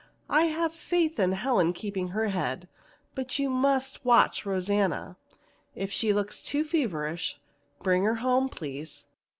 "I have faith in Helen keeping her head, but you must watch Rosanna. If she looks too feverish, bring her home, please."